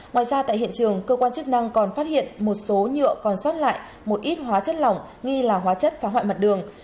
ngoài ra tại hiện trường cơ quan chức năng còn phát hiện một số nhựa còn sót lại một ít hóa chất lỏng nghi là hóa chất phá hoại mặt đường